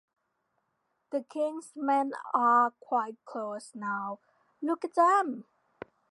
The King’s men are quite close now — Look at them!